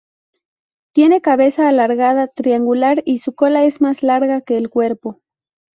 Tiene cabeza alargada, triangular, y su cola es más larga que el cuerpo.